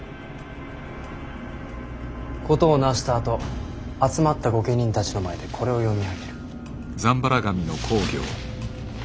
事をなしたあと集まった御家人たちの前でこれを読み上げる。